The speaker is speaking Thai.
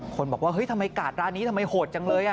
คนบอกว่าเฮ้ยทำไมกาดร้านนี้ทำไมโหดจังเลย